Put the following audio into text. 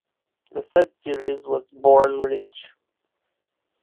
The said series was Born Rich.